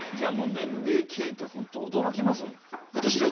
年齢聞いて本当驚きますもん。